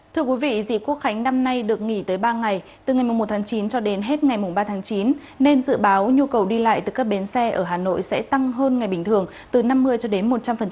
thưa quý vị dịp quốc khánh năm nay được nghỉ tới ba ngày từ ngày một tháng chín cho đến hết ngày ba tháng chín nên dự báo nhu cầu đi lại từ các bến xe ở hà nội sẽ tăng hơn ngày bình thường từ năm mươi cho đến một trăm linh